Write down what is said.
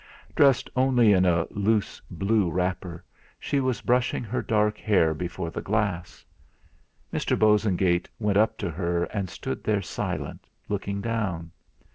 Dressed only in a loose blue wrapper, she was brushing her dark hair before the glass. Mr. Bosengate went up to her and stood there silent, looking down.